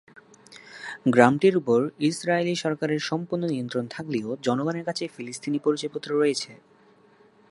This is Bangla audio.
গ্রামটির উপর ইসরায়েলি সরকারের সম্পূর্ণ নিয়ন্ত্রণ থাকলেও, জনগণের কাছে ফিলিস্তিনি পরিচয়পত্র রয়েছে।